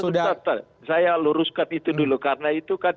sebentar saya luruskan itu dulu karena itu kan